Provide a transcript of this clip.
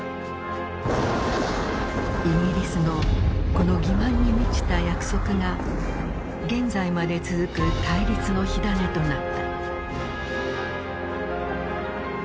イギリスのこの欺瞞に満ちた約束が現在まで続く対立の火種となった。